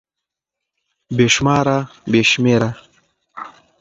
بې شماره √ بې شمېره